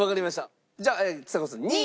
じゃあちさ子さん２位。